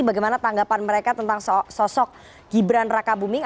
bagaimana tanggapan mereka tentang sosok gibran raka buming